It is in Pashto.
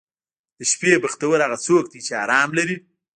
• د شپې بختور هغه څوک دی چې آرام لري.